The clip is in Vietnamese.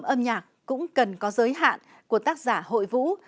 làm mới tác phẩm âm nhạc cũng cần có giới hạn của tác giả hội vũ